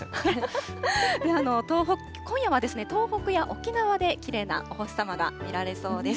今夜は東北や沖縄できれいなお星さまが見られそうです。